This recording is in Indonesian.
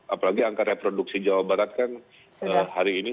apalagi angka reproduksi jawa barat kan hari ini